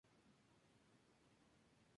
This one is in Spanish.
La obra critica la autoridad del Estado.